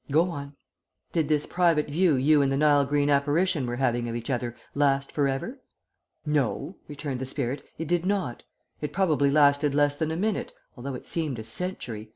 Go on. Did this private view you and the Nile green apparition were having of each other last for ever?" "No," returned the spirit, "it did not. It probably lasted less than a minute, although it seemed a century.